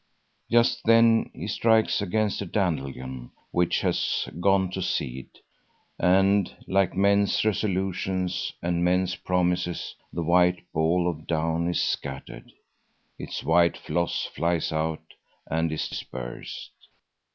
Just then he strikes against a dandelion which has gone to seed, and, like men's resolutions and men's promises, the white ball of down is scattered, its white floss flies out and is dispersed.